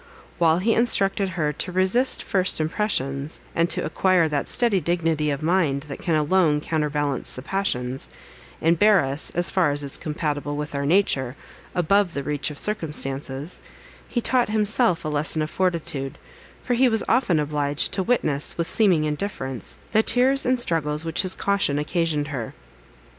While he instructed her to resist first impressions, and to acquire that steady dignity of mind, that can alone counterbalance the passions, and bear us, as far as is compatible with our nature, above the reach of circumstances, he taught himself a lesson of fortitude; for he was often obliged to witness, with seeming indifference, the tears and struggles which his caution occasioned her.